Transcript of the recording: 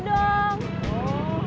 nanti ngekejutan lagi dong